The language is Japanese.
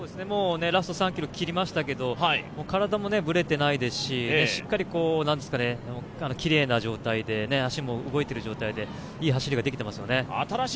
ラスト３ｋｍ切りましたけど、しっかりきれいな状態で足も動いている状態で、いい走りができてますよね。